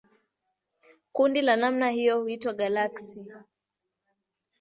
Kundi la namna hiyo huitwa galaksi.